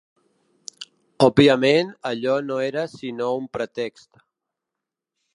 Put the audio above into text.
Òbviament allò no era sinó un pretext